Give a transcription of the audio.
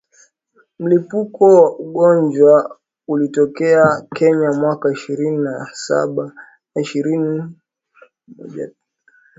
Mlipuko wa ugonjwa ulitokea Kenya mwaka ishirini na saba na ishirini mojatanohadi ishirini kumi na sita